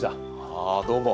ああどうも。